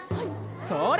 それ！